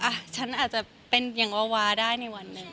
อ่ะฉันอาจจะเป็นอย่างวาวาได้ในวันหนึ่ง